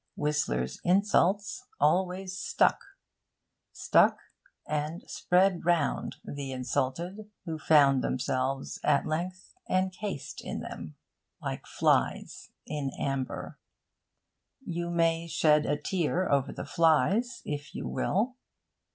Whistler's insults always stuck stuck and spread round the insulted, who found themselves at length encased in them, like flies in amber. You may shed a tear over the flies, if you will.